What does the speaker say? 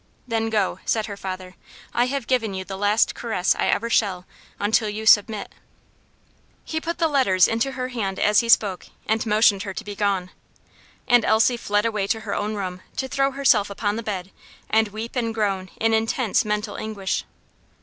"Then go," said her father. "I have given you the last caress I ever shall, until you submit." He put the letters into her hand as he spoke, and motioned her to be gone; and Elsie fled away to her own room, to throw herself upon the bed, and weep and groan in intense mental anguish.